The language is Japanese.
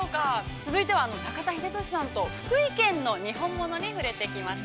続いては中田英寿さんと、福井のにほんものに触れてきました。